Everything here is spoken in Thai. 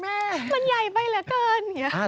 มันใหญ่ไปเหลือเกิน